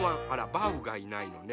バウがいないのね。